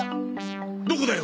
どこだよ？